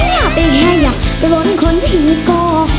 ให้เยี่ยมเป็นคนที่ก็